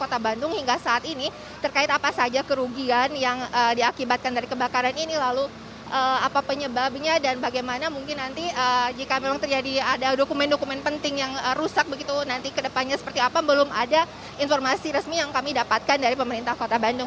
kota bandung hingga saat ini terkait apa saja kerugian yang diakibatkan dari kebakaran ini lalu apa penyebabnya dan bagaimana mungkin nanti jika memang terjadi ada dokumen dokumen penting yang rusak begitu nanti ke depannya seperti apa belum ada informasi resmi yang kami dapatkan dari pemerintah kota bandung